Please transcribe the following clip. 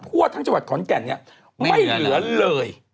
ทั่วทั้งจังหวัดขอนแก่นเนี่ยไม่เหลือเลย